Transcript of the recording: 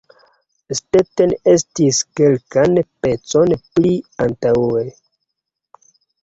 Stetten estis kelkan pecon pli antaŭe.